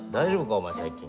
お前最近。